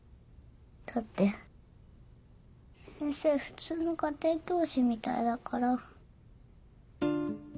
だって先生普通の家庭教師みたいだから。